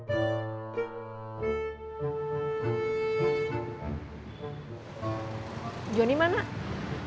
udah kenyang apa gara gara nining marah marah terus